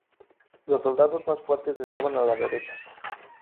Los soldados más fuertes estaban a la derecha.